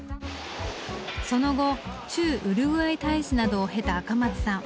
その後駐ウルグアイ大使などを経た赤松さん。